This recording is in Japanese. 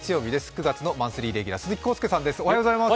９月のマンスリーレギュラー・鈴木浩介さんです。